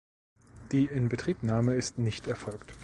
Die Inbetriebnahme ist nicht erfolgt.